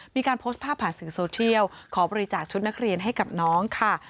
มีการโพสต์ภาพผ่านสื่อโซเทียลขอบริจาคชุดนักเรียนให้กับน้องค่ะ